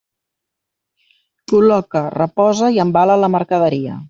Col·loca, reposa i embala la mercaderia.